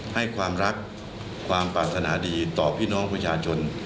ให้ความรักความปรารถนาดีต่อพี่น้องประชาชน